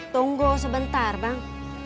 tunggu sebentar bang